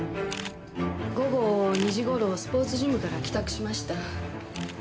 午後２時頃スポーツジムから帰宅しました。